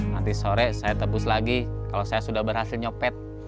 nanti sore saya tebus lagi kalau saya sudah berhasil nyopet